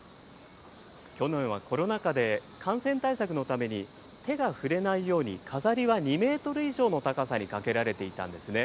去年はコロナ禍で感染対策のために、手が触れないように飾りは２メートル以上の高さにかけられていたんですね。